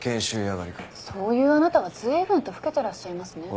そういうあなたはずいぶんと老けてらっしゃいますね。